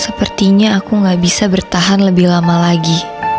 sepertinya aku nggak bisa bertahan lebih lama lagi